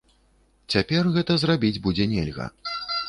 Цяпер гэта зрабіць будзе нельга.